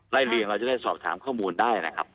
เลียงเราจะได้สอบถามข้อมูลได้นะครับ